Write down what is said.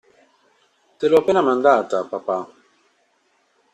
Te l'ho appena mandata, Papà!